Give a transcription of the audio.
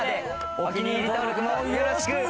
お気に入り登録もよろしく！